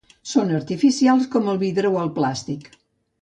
Són artificials, com el vidre o el plàstic.